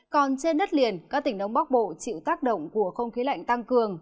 còn trên đất liền các tỉnh đông bắc bộ chịu tác động của không khí lạnh tăng cường